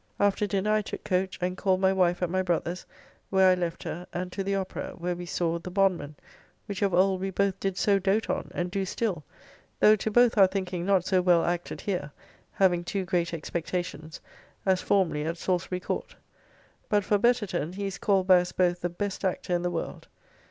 After dinner I took coach, and called my wife at my brother's, where I left her, and to the Opera, where we saw "The Bondman," which of old we both did so doat on, and do still; though to both our thinking not so well acted here (having too great expectations), as formerly at Salisbury court. But for Betterton he is called by us both the best actor in the world.